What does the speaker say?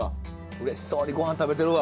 うれしそうにごはん食べてるわ。